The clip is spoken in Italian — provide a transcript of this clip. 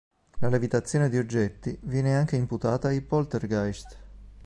La levitazione di oggetti viene anche imputata ai poltergeist.